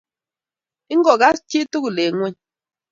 I-ngogas tugul eng' ng'ony!